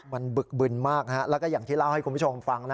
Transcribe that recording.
มันบึกบึนมากแล้วก็อย่างที่เล่าให้คุณผู้ชมฟัง